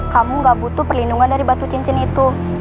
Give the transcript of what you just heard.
kamu gak butuh perlindungan dari batu cincin itu